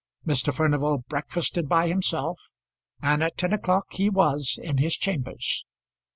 Mr. Furnival breakfasted by himself, and at ten o'clock he was in his chambers.